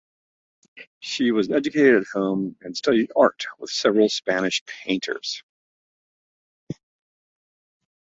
She was educated at home and studied art with several Spanish painters.